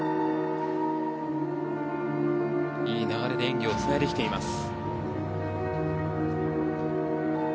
いい流れで演技をつないできています。